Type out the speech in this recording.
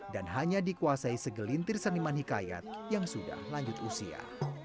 dan hanya dikuasai segelintir seniman hikayat yang sudah lanjut usia